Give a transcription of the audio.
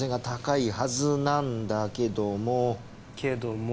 けども？